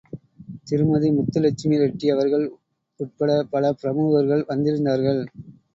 திருமதி முத்துலட்சுமி ரெட்டி அவர்கள் உட்பட பல பிரமுகர்கள் வந்திருந்தார்கள்.